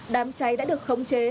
đám cháy đã được khống chế